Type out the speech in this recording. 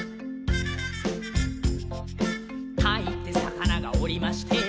「タイってさかながおりまして」